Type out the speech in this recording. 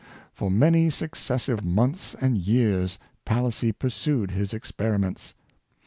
For many successive months and years Palissy pur sued his experiments.